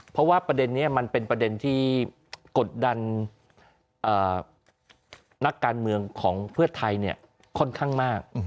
เพราะว่าประเด็นนี้มันเป็นประเด็นที่กดดันนักการเมืองของเพื่อไทยค่อนข้างมาก